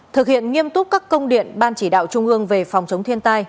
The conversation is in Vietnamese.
thực hiện nghiêm túc các công điện ban chỉ đạo trung ương về phòng chống thiên tai